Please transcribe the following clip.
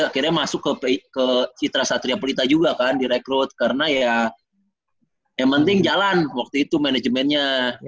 akhirnya masuk ke citra satria pelita juga kan direkrut karena ya yang penting jalan waktu itu manajemennya